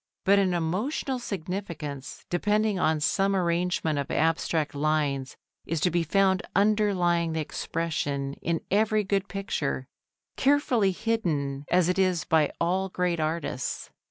But an emotional significance depending on some arrangement of abstract lines is to be found underlying the expression in every good picture, carefully hidden as it is by all great artists.